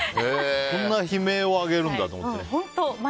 こんな悲鳴を上げるんだって。